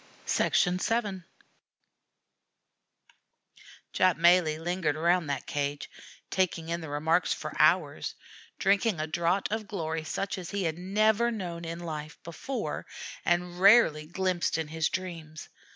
VII Jap Malee lingered around that cage, taking in the remarks, for hours drinking a draught of glory such as he had never known in life before and rarely glimpsed in his dreams.